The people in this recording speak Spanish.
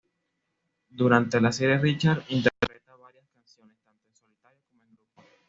Durante la serie Richard interpreta varias canciones tanto en solitario como en grupo.